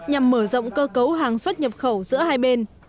nhằm mở rộng cơ cấu hàng xuất nhập khẩu giữa hai bên